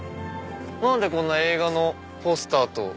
何でこんな映画のポスターと。